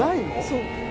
そう。